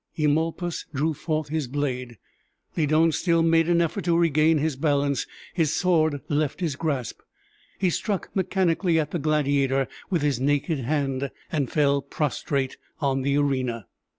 Eumolpus drew forth his blade; Lydon still made an effort to regain his balance his sword left his grasp he struck mechanically at the gladiator with his naked hand and fell prostrate on the arena.